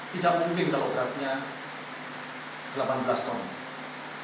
tidak mungkin kalau beratnya delapan belas ton